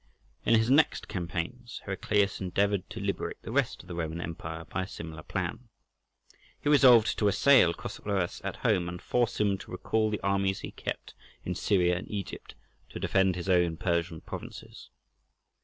In his next campaigns Heraclius endeavoured to liberate the rest of the Roman Empire by a similar plan: he resolved to assail Chosroës at home, and force him to recall the armies he kept in Syria and Egypt to defend his own Persian provinces.